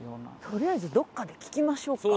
とりあえずどこかで聞きましょうか。